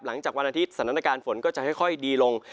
หลังจากวันอาทิตย์สถานการณ์ฝนก็จะค่อยดีลง